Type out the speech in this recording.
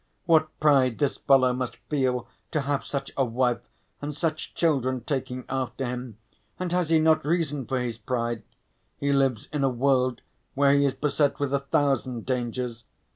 What pride this fellow must feel to have such a wife, and such children taking after him. And has he not reason for his pride? He lives in a world where he is beset with a thousand dangers.